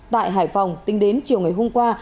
tại hải phòng tính đến chiều ngày hôm qua